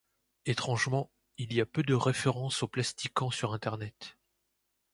Etrangement, il y a peu de références au Plasticant sur Internet.